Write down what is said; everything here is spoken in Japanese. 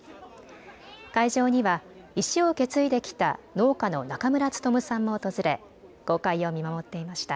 会場には石を受け継いできた農家の中村勉さんも訪れ公開を見守っていました。